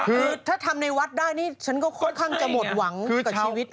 คือถ้าทำในวัดได้นี่ฉันก็ค่อนข้างจะหมดหวังกับชีวิต